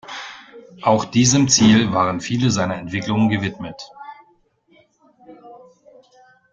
Auch diesem Ziel waren viele seiner Entwicklungen gewidmet.